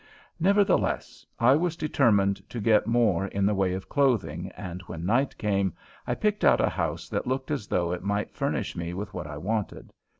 Nevertheless, I was determined to get more in the way of clothing, and when night came I picked out a house that looked as though it might furnish me with what I wanted.